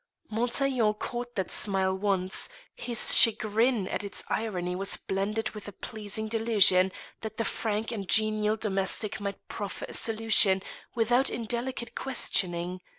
Montaiglon caught that smile once: his chagrin at its irony was blended with a pleasing delusion that the frank and genial domestic might proffer a solution without indelicate questioning.